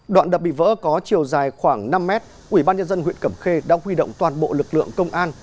đoạn đập bị vỡ có chiều dài khoảng năm m ubnd huyện cẩm khê đã huy động toàn bộ lực lượng công an